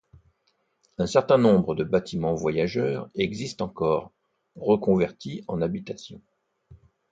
Un certain nombre de bâtiments voyageurs existent encore, reconvertis en habitations.